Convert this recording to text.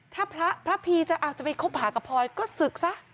ถ้าพระพีจะเอาจะไปคบหากับพลอยก็ศึกซะ